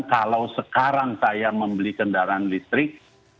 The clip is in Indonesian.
kalau sekarang saya membeli kendaraan listrik